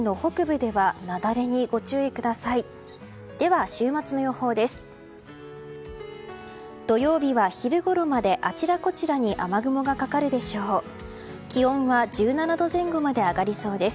では、週末の予報です。